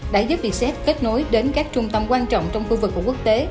đã giúp vietjet kết nối đến các trung tâm quan trọng trong khu vực của quốc tế